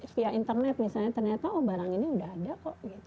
via internet misalnya ternyata oh barang ini udah ada kok